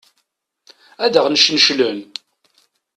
Ad aɣ-cneclen!